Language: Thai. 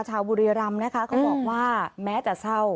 ชาวบุรีรำนะคะเขาบอกว่าแม้จะเศร้า